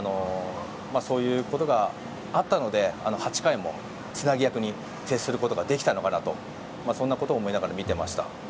そういうことがあったので８回もつなぎ役に徹することができたのかなとそんなことを思いながら見ていました。